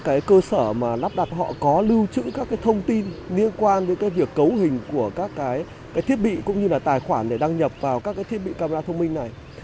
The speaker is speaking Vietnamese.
các cơ sở lắp đặt họ có lưu trữ các thông tin liên quan đến việc cấu hình của các thiết bị cũng như là tài khoản để đăng nhập vào các thiết bị camera thông minh này